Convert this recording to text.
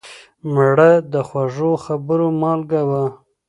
مړه د خوږو خبرو مالګه وه